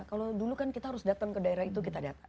kalau dulu kan kita harus datang ke daerah itu kita data